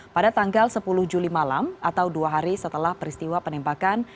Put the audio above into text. pada tanggal sepuluh juli malam atau dua hari setelah peristiwa penembakan